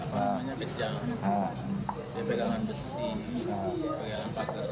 namanya pecah dia pegangan besi pegangan pagar